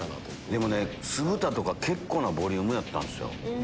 でもね酢豚とか結構なボリュームやったんすよ。